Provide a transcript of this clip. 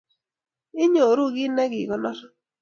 Inyoruu kiit negekonor